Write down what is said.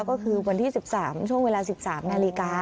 ก็คือวันที่๑๓ช่วงเวลา๑๓นาฬิกา